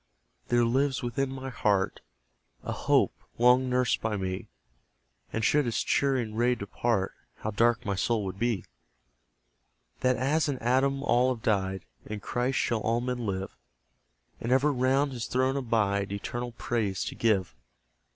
there lives within my heart A hope, long nursed by me; (And should its cheering ray depart, How dark my soul would be!) That as in Adam all have died, In Christ shall all men live; And ever round his throne abide, Eternal praise to give.